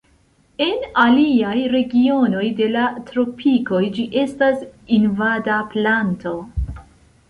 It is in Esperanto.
En aliaj regionoj de la Tropikoj ĝi estas invada planto.